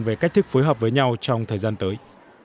về cách thức phối hợp với nhau trong thời gian tới